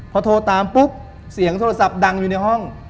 พอโทรตามปุ๊บเสียงโทรศัพท์ดังอยู่ในห้อง